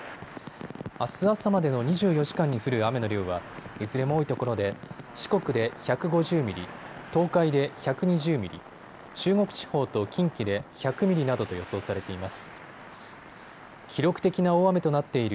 あす朝までの２４時間に降る雨の量はいずれも多いところで四国で１５０ミリ、東海で１２０ミリ、中国地方と近畿で１００ミリなどと予想されています。